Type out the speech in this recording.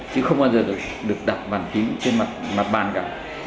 chứ không bao giờ được đặt bàn phím trên mặt bàn cả